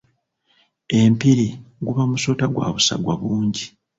Empiri guba musota gwa busagwa bungi.